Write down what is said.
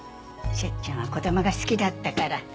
セッちゃんは子供が好きだったから。